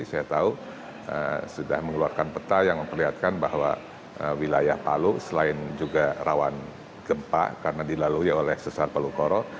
saya tahu sudah mengeluarkan peta yang memperlihatkan bahwa wilayah palu selain juga rawan gempa karena dilalui oleh sesar palu koro